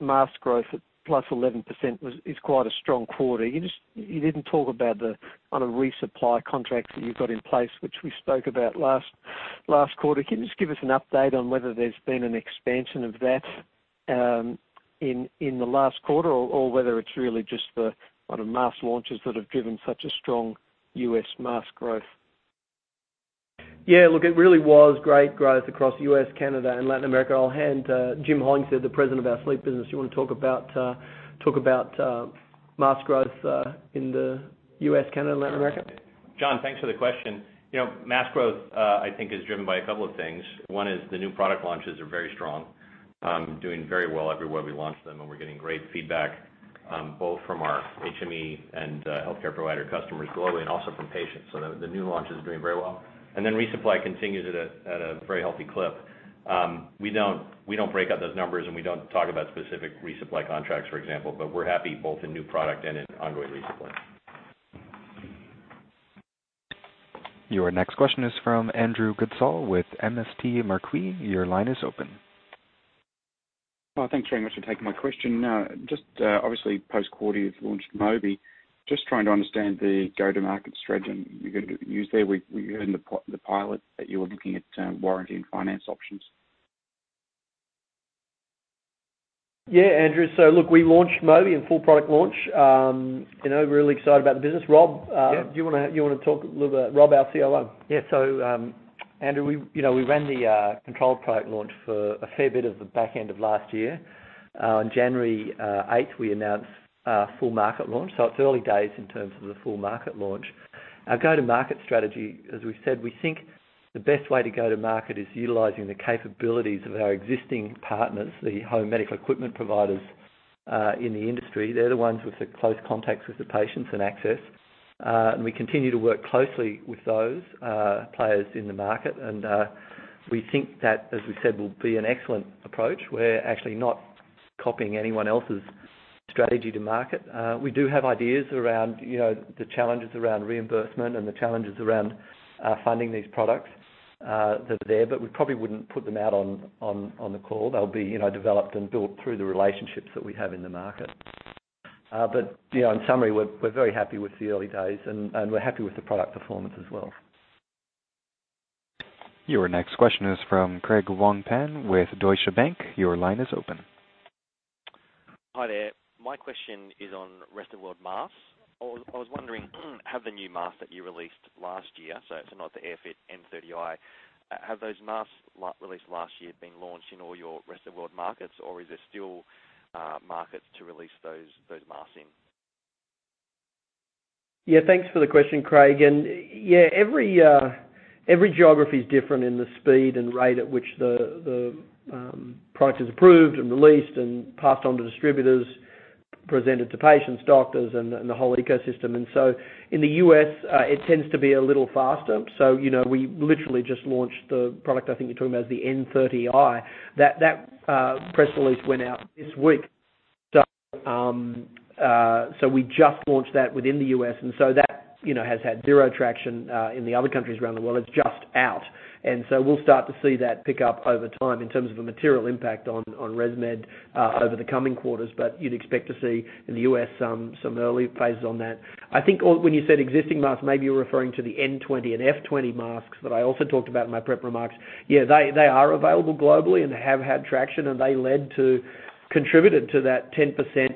mask growth at plus 11% is quite a strong quarter. You didn't talk about the kind of resupply contracts that you've got in place, which we spoke about last quarter. Can you just give us an update on whether there's been an expansion of that, in the last quarter, or whether it's really just the kind of mask launches that have driven such a strong U.S. mask growth? Yeah, look, it really was great growth across U.S., Canada, and Latin America. I'll hand Jim Hollingsworth, the President of our sleep business. You want to talk about mask growth in the U.S., Canada, Latin America? John, thanks for the question. Mask growth I think is driven by a couple of things. One is the new product launches are very strong, doing very well everywhere we launch them, and we're getting great feedback, both from our HME and healthcare provider customers globally and also from patients. The new launch is doing very well. Resupply continues at a very healthy clip. We don't break out those numbers, and we don't talk about specific resupply contracts, for example, but we're happy both in new product and in ongoing resupply. Your next question is from Andrew Goodsall with MST Marquee. Your line is open. Well, thanks very much for taking my question. Just, obviously post-quarter, you've launched Mobi. Just trying to understand the go-to-market strategy you're going to use there. We heard in the pilot that you were looking at warranty and finance options. Yeah, Andrew. Look, we launched Mobi in full product launch. Really excited about the business. Rob? Yeah. Do you want to talk a little bit? Rob, our COO. Yeah. Andrew, we ran the controlled product launch for a fair bit of the back end of last year. On January 8th, we announced full market launch. It's early days in terms of the full market launch. Our go-to-market strategy, as we've said, we think the best way to go to market is utilizing the capabilities of our existing partners, the home medical equipment providers in the industry. They're the ones with the close contacts with the patients and access. We continue to work closely with those players in the market. We think that, as we said, will be an excellent approach. We're actually not copying anyone else's strategy to market. We do have ideas around the challenges around reimbursement and the challenges around funding these products that are there, we probably wouldn't put them out on the call. They'll be developed and built through the relationships that we have in the market. In summary, we're very happy with the early days, and we're happy with the product performance as well. Your next question is from Craig Wong-Pan with Deutsche Bank. Your line is open. Hi there. My question is on rest-of-world masks. I was wondering, have the new masks that you released last year, so it's not the AirFit N30i, have those masks released last year been launched in all your rest-of-world markets, or is there still markets to release those masks in? Yeah, thanks for the question, Craig. Yeah, every geography is different in the speed and rate at which the product is approved and released and passed on to distributors, presented to patients, doctors, and the whole ecosystem. In the U.S., it tends to be a little faster. We literally just launched the product, I think you're talking about is the N30i. That press release went out this week. We just launched that within the U.S., that has had zero traction in the other countries around the world. It's just out. We'll start to see that pick up over time in terms of a material impact on ResMed over the coming quarters. But you'd expect to see in the U.S. some early phases on that. I think when you said existing masks, maybe you're referring to the N20 and F20 masks that I also talked about in my prep remarks. Yeah, they are available globally and have had traction, they contributed to that 10%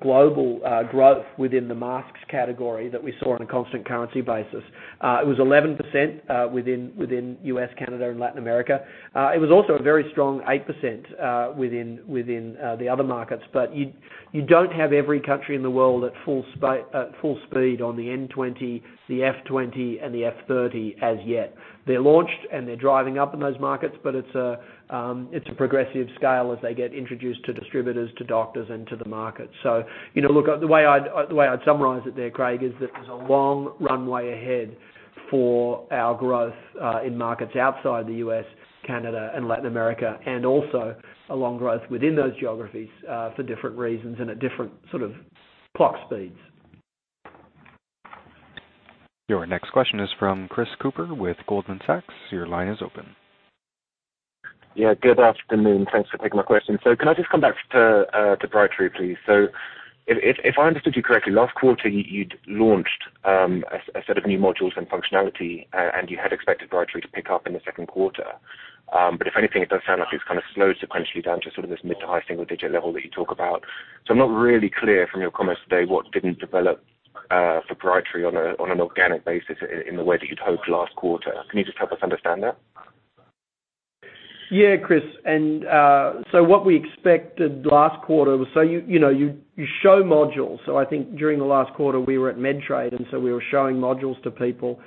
global growth within the masks category that we saw on a constant currency basis. It was 11% within U.S., Canada, and Latin America. It was also a very strong 8% within the other markets. You don't have every country in the world at full speed on the N20, the F20, and the F30 as yet. They're launched, they're driving up in those markets, it's a progressive scale as they get introduced to distributors, to doctors, and to the market. Look, the way I'd summarize it there, Craig, is that there's a long runway ahead for our growth, in markets outside the U.S., Canada, and Latin America, and also a long growth within those geographies, for different reasons and at different sort of clock speeds. Your next question is from Chris Cooper with Goldman Sachs. Your line is open. Good afternoon. Thanks for taking my question. Can I just come back to Brightree, please? If I understood you correctly, last quarter, you'd launched a set of new modules and functionality, and you had expected Brightree to pick up in the second quarter. If anything, it does sound like it's kind of slowed sequentially down to sort of this mid to high single-digit level that you talk about. I'm not really clear from your comments today what didn't develop for Brightree on an organic basis in the way that you'd hoped last quarter. Can you just help us understand that? Yeah, Chris. What we expected last quarter was, you show modules. I think during the last quarter, we were at MedTrade, and we were showing modules to people.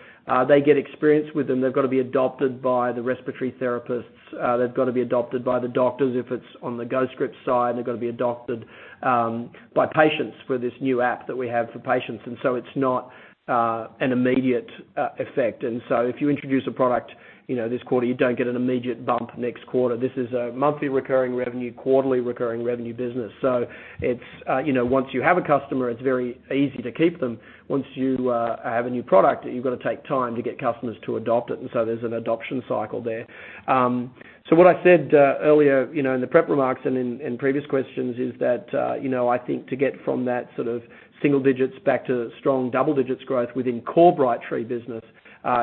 They get experience with them. They've got to be adopted by the respiratory therapists. They've got to be adopted by the doctors, if it's on the GoScripts side, and they've got to be adopted by patients for this new app that we have for patients. It's not an immediate effect. If you introduce a product this quarter, you don't get an immediate bump next quarter. This is a monthly recurring revenue, quarterly recurring revenue business. Once you have a customer, it's very easy to keep them. Once you have a new product, you've got to take time to get customers to adopt it, and there's an adoption cycle there. What I said earlier in the prep remarks and in previous questions is that, I think to get from that sort of single digits back to strong double digits growth within core Brightree business,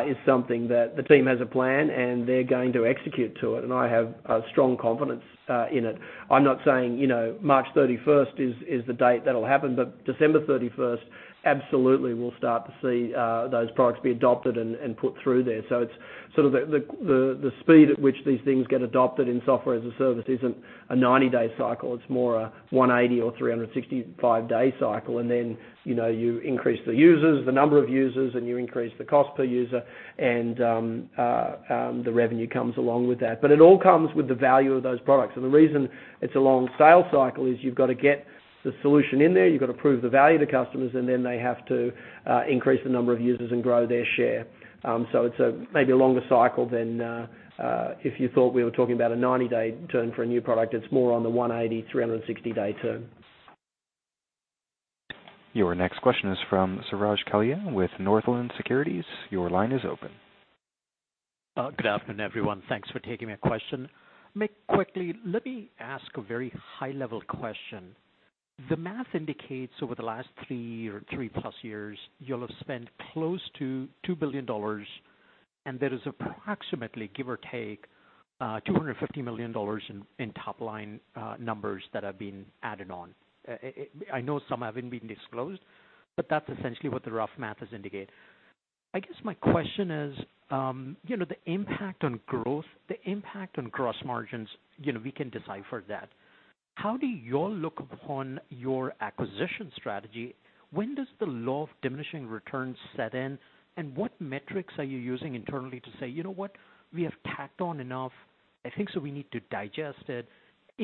is something that the team has a plan, and they're going to execute to it, and I have a strong confidence in it. I'm not saying March 31st is the date that'll happen, December 31st, absolutely we'll start to see those products be adopted and put through there. It's sort of the speed at which these things get adopted in Software as a Service isn't a 90-day cycle. It's more a 180-day or 365-day cycle. Then, you increase the users, the number of users, and you increase the cost per user. The revenue comes along with that. It all comes with the value of those products. The reason it's a long sales cycle is you've got to get the solution in there, you've got to prove the value to customers, and then they have to increase the number of users and grow their share. It's maybe a longer cycle than, if you thought we were talking about a 90-day turn for a new product. It's more on the 180-day, 360-day turn. Your next question is from Suraj Kalia with Northland Securities. Your line is open. Good afternoon, everyone. Thanks for taking my question. Mick, quickly, let me ask a very high-level question. The math indicates over the last three or three plus years, you'll have spent close to $2 billion, there is approximately, give or take, $250 million in top-line numbers that have been added on. I know some haven't been disclosed, but that's essentially what the rough math has indicated. My question is, the impact on growth, the impact on gross margins, we can decipher that. How do you all look upon your acquisition strategy? When does the law of diminishing returns set in, and what metrics are you using internally to say, "You know what? We have tacked on enough. I think. We need to digest it."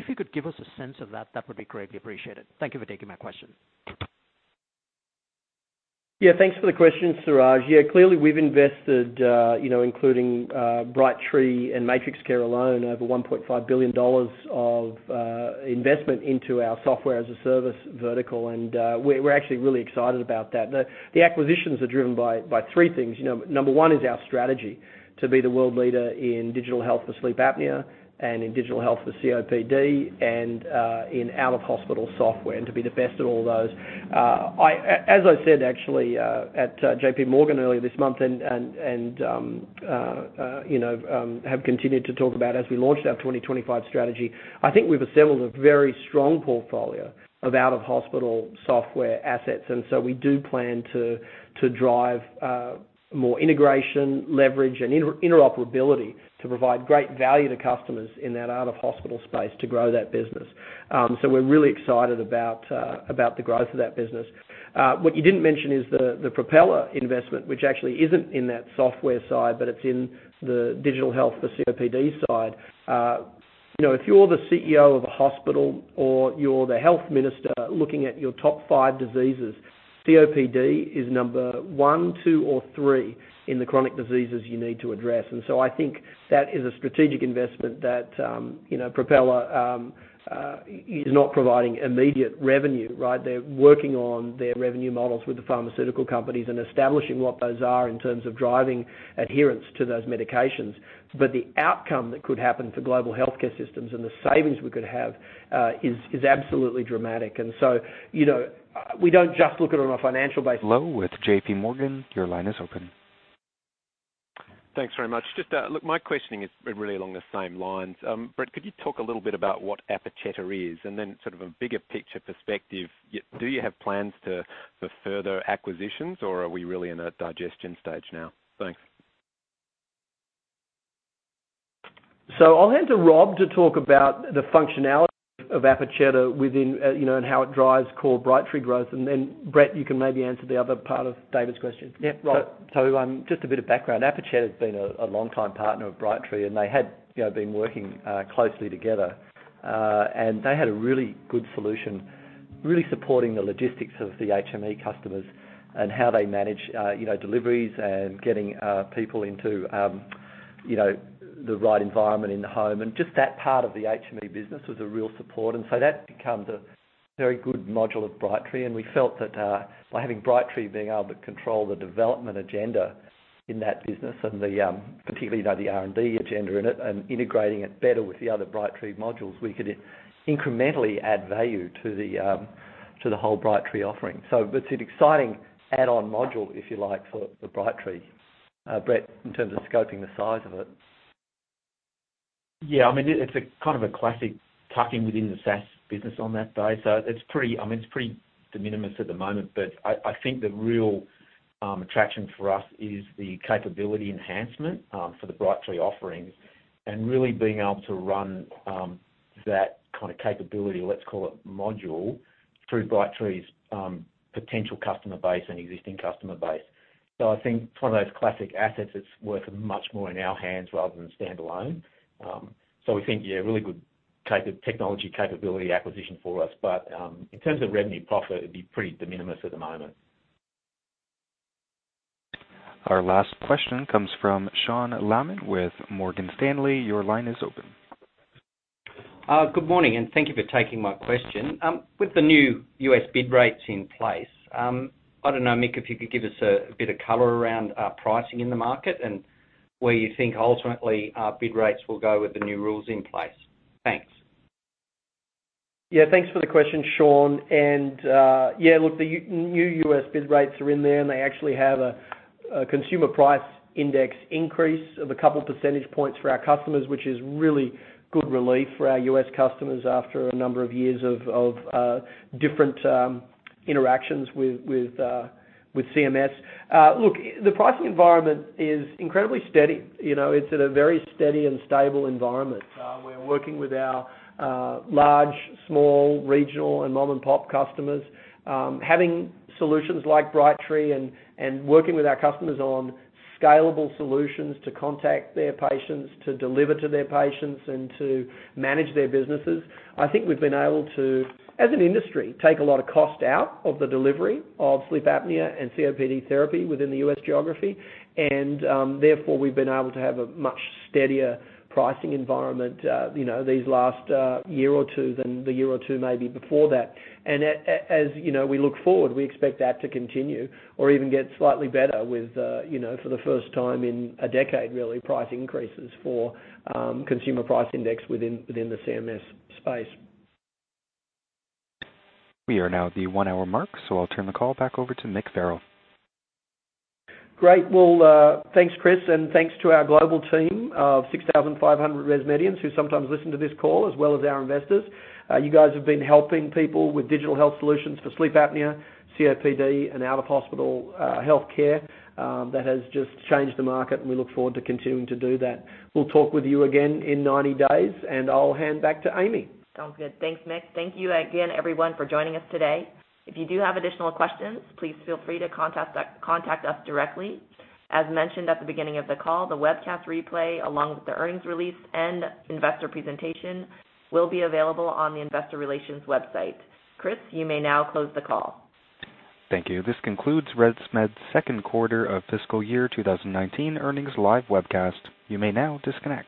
If you could give us a sense of that would be greatly appreciated. Thank you for taking my question. Thanks for the question, Suraj. Clearly, we've invested, including Brightree and MatrixCare alone, over $1.5 billion of investment into our software-as-a-service vertical, we're actually really excited about that. The acquisitions are driven by three things. Number one is our strategy to be the world leader in digital health for sleep apnea and in digital health for COPD and in out-of-hospital software, and to be the best at all those. As I said, actually, at JP Morgan earlier this month and have continued to talk about as we launched our 2025 strategy, I think we've assembled a very strong portfolio of out-of-hospital software assets, we do plan to drive more integration, leverage, and interoperability to provide great value to customers in that out-of-hospital space to grow that business. We're really excited about the growth of that business. What you didn't mention is the Propeller investment, which actually isn't in that software side, but it's in the digital health, the COPD side. If you're the CEO of a hospital or you're the health minister looking at your top five diseases, COPD is number one, two, or three in the chronic diseases you need to address. I think that is a strategic investment that Propeller is not providing immediate revenue, right? They're working on their revenue models with the pharmaceutical companies and establishing what those are in terms of driving adherence to those medications. The outcome that could happen for global healthcare systems and the savings we could have, is absolutely dramatic. We don't just look at it on a financial basis. Low with JP Morgan, your line is open. Thanks very much. Just, look, my questioning is really along the same lines. Brett, could you talk a little bit about what Apacheta is, and then sort of a bigger picture perspective, do you have plans for further acquisitions, or are we really in a digestion stage now? Thanks. I'll hand to Rob to talk about the functionality of Apacheta within, and how it drives core Brightree growth. Brett, you can maybe answer the other part of David's question. Yeah. Just a bit of background. Apacheta has been a long-time partner of Brightree, and they had been working closely together. They had a really good solution, really supporting the logistics of the HME customers and how they manage deliveries and getting people into the right environment in the home. Just that part of the HME business was a real support. That becomes a very good module of Brightree, and we felt that, by having Brightree being able to control the development agenda in that business and the, particularly, the R&D agenda in it and integrating it better with the other Brightree modules, we could incrementally add value to the whole Brightree offering. It's an exciting add-on module, if you like, for Brightree. Brett, in terms of scoping the size of it. Yeah, it's a kind of a classic tuck-in within the SaaS business on that day. It's pretty de minimis at the moment, but I think the real attraction for us is the capability enhancement for the Brightree offerings and really being able to run that kind of capability, let's call it module, through Brightree's potential customer base and existing customer base. I think it's one of those classic assets that's worth much more in our hands rather than standalone. We think, yeah, really good technology capability acquisition for us. In terms of revenue profit, it'd be pretty de minimis at the moment. Our last question comes from Sean Laaman with Morgan Stanley. Your line is open. Good morning. Thank you for taking my question. With the new U.S. bid rates in place, I don't know, Mick, if you could give us a bit of color around pricing in the market and where you think ultimately our bid rates will go with the new rules in place. Thanks. Thanks for the question, Sean. The new U.S. bid rates are in there, and they actually have a consumer price index increase of a couple percentage points for our customers, which is really good relief for our U.S. customers after a number of years of different interactions with CMS. The pricing environment is incredibly steady. It's at a very steady and stable environment. We're working with our large, small, regional, and mom-and-pop customers. Having solutions like Brightree and working with our customers on scalable solutions to contact their patients, to deliver to their patients, and to manage their businesses. I think we've been able to, as an industry, take a lot of cost out of the delivery of sleep apnea and COPD therapy within the U.S. geography, and therefore, we've been able to have a much steadier pricing environment these last year or two than the year or two maybe before that. As we look forward, we expect that to continue or even get slightly better with, for the first time in a decade, really, price increases for consumer price index within the CMS space. We are now at the one-hour mark, I'll turn the call back over to Mick Farrell. Thanks, Chris, and thanks to our global team of 6,500 ResMedians who sometimes listen to this call, as well as our investors. You guys have been helping people with digital health solutions for sleep apnea, COPD, and out-of-hospital healthcare. That has just changed the market, we look forward to continuing to do that. We'll talk with you again in 90 days, I'll hand back to Amy. Sounds good. Thanks, Mick. Thank you again, everyone, for joining us today. If you do have additional questions, please feel free to contact us directly. As mentioned at the beginning of the call, the webcast replay, along with the earnings release and investor presentation, will be available on the investor relations website. Chris, you may now close the call. Thank you. This concludes ResMed's second quarter of fiscal year 2019 earnings live webcast. You may now disconnect.